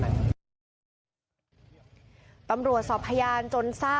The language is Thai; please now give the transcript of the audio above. พวกมันต้องกินกันพี่